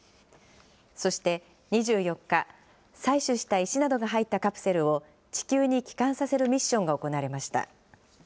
そして２４日、採取した石などが入ったカプセルを、地球に帰還させるミッションが行われました。